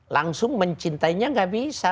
langsung mencintainya gak bisa